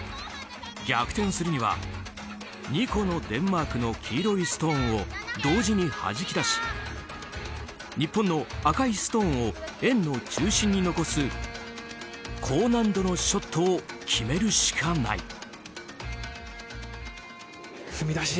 逆転するには２個のデンマークの黄色いストーンを同時に弾き出し日本の赤いストーンを円の中心に残す高難度のショットを決めるしかない。